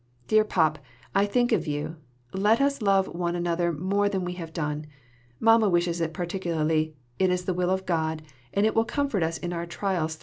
Dear Pop, I think of you, pray let us love one another more than we have done. Mama wishes it particularly, it is the will of God, and it will comfort us in our trials through life.